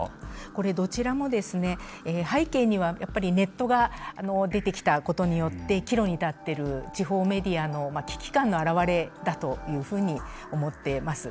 これどちらもですね背景にはやっぱりネットが出てきたことによって岐路に立ってる地方メディアの危機感のあらわれだというふうに思ってます。